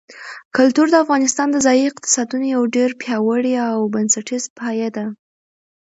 کلتور د افغانستان د ځایي اقتصادونو یو ډېر پیاوړی او بنسټیز پایایه دی.